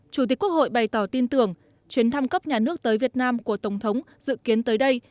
chủ tịch quốc hội bày tỏ tin tưởng chuyến thăm cấp nhà nước tới việt nam của tổng thống dự kiến tới đây